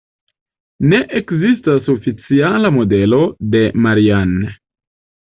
Ne ekzistas oficiala modelo de Marianne.